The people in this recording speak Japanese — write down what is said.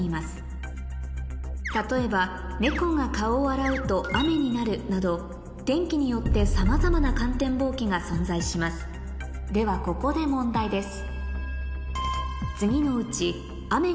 例えばと雨になるなど天気によってさまざまな観天望気が存在しますではここで問題です